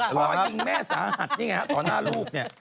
ขอยิงแม่สาหัสต่อหน้าลูกเนี่ย